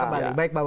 baik pak bapak